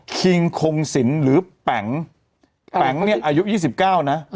คิงคงสินหรือแป๋งแป๋งเนี่ยอายุยี่สิบเก้านะ